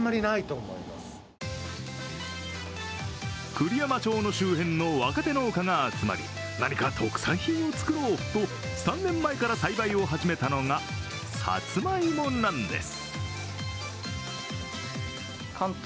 栗山町の周辺の若手農家が集まり、何か特産品を作ろうと３年前から栽培を始めたのがさつまいもなんです。